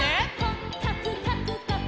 「こっかくかくかく」